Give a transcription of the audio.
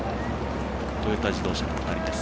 トヨタ自動車の２人です。